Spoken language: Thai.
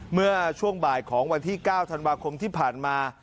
เมื่อช่วงบ่ายของวันที่๙ธันวาคมที่ผ่านมา